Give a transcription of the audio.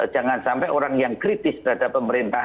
jangan sampai orang yang kritis terhadap pemerintah